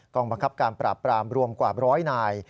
กองบังคับการปราบปรามรวมกว่า๑๐๐นาย